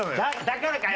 だからか！